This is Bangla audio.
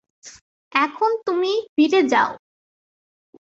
এখন তুমি ফিরে যাও।